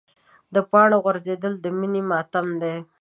د پاڼو غورځېدل د مني ماتم دی.